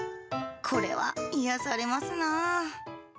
これは癒やされますなぁ。